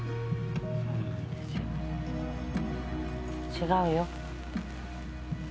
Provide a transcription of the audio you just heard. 違うよ。